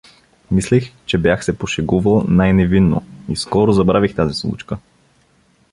Мислех, че бях се пошегувал най-невинно, и скоро забравих тази случка.